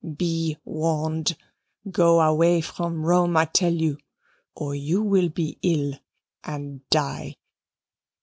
Be warned. Go away from Rome, I tell you or you will be ill and die."